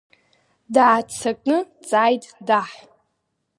Дааццакны дҵааит Даҳ.